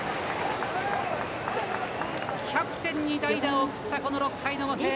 キャプテンに代打を送った６回表。